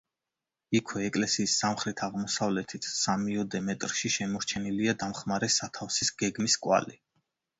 იქვე ეკლესიის სამხრეთ-აღმოსავლეთით, სამიოდე მეტრში შემორჩენილია დამხმარე სათავსის გეგმის კვალი.